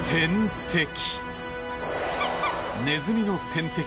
天敵。